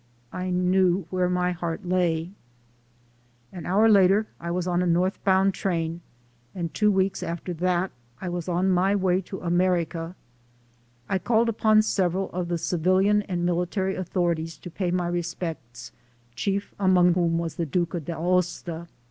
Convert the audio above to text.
I knew where my heart lay. An hour later I was on a northbound train and two weeks after that I was on my way to America. I called upon several of the civilian and military authorities to pay my respects, chief among whom was the Duca d'Aosta.